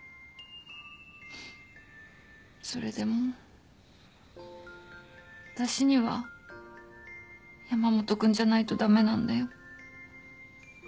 それでも私には山本君じゃないと駄目なんだよ。